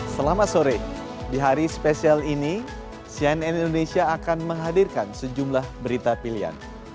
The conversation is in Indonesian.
selamat sore di hari spesial ini cnn indonesia akan menghadirkan sejumlah berita pilihan